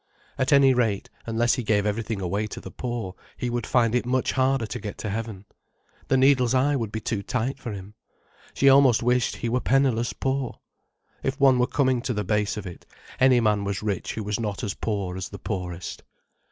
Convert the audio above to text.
At any rate, unless he gave everything away to the poor, he would find it much harder to get to heaven. The needle's eye would be too tight for him. She almost wished he were penniless poor. If one were coming to the base of it, any man was rich who was not as poor as the poorest.